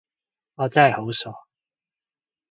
我真係好傻